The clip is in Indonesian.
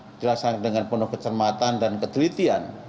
yang dilaksanakan dengan penuh ketermatan dan ketelitian